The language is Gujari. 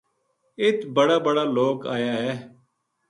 اِت بڑا بڑا لوک آیا ہے